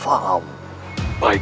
kamu harus untuk sendirian